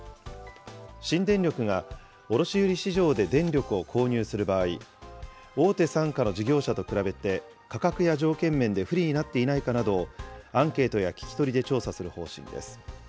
新電力が卸売市場で電力を購入する場合、大手傘下の事業者と比べて価格や条件面で不利になっていないかなどをアンケートや聞き取りで調査する方針です。